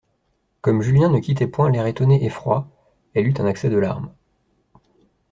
Comme Julien ne quittait point l'air étonné et froid elle eut un accès de larmes.